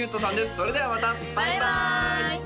それではまたバイバーイ！